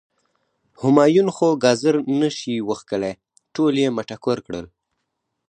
همایون خو ګازر نه شي وښکلی، ټول یی مټکور کړل.